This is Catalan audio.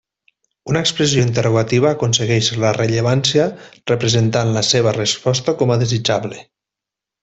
Una expressió interrogativa aconsegueix la rellevància representant la seva resposta com a desitjable.